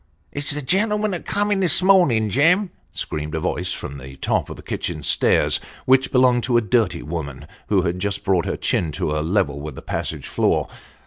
" It's the gentleman that come in this morning, Jem," screamed a voice from the top of the kitchen stairs, which belonged to a dirty woman who had just brought her chin to a level with the passage floor.